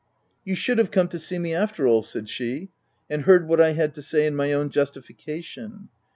" You should have come to me, after all/' 264 THE TENANT said she, " and heard what I had to say in my own justification.